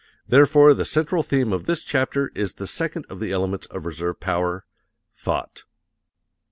Therefore the central theme of this chapter is the second of the elements of reserve power Thought.